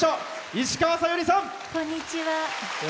石川さゆりさん。